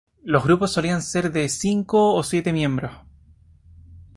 Los grupos solían ser de cinco o siete miembros.